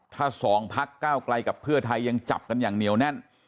ถ้าสองพักก้าวไกลกับเพื่อไทยยังจับกันอย่างเหนียวแน่น